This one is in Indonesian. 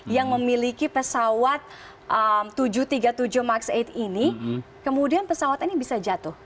yang memiliki pesawat tujuh ratus tiga puluh tujuh max delapan ini kemudian pesawat ini bisa jatuh